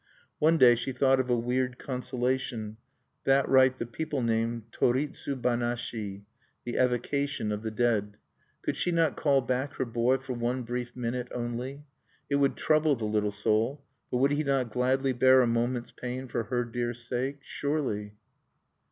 One day she thought of a weird consolation, that rite the people name Toritsu banashi, the evocation of the dead. Could she not call back her boy for one brief minute only? It would trouble the little soul; but would he not gladly bear a moment's pain for her dear sake? Surely!